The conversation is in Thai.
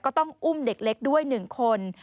ก็ต้องอุ้มเด็กเล็กด้วย๑คน